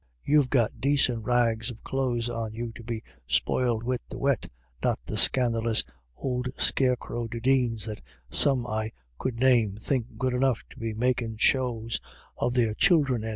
You've .got dacint rags of clothes on you to be spoilt wid the wet, not the scandeelious ould scarecrow dudeens that some I could name think good enough to be makin' shows of their childer in."